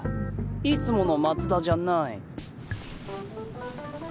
いつもの松田じゃない。